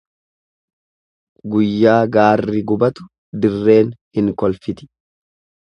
Guyyaa gaarri gubatu dirreen hin kolfiti.